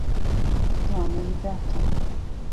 دانهای ده تومان